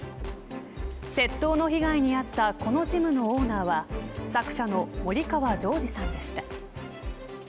窃盗被害に遭ったこのジムのオーナー作者の森川ジョージさんでした。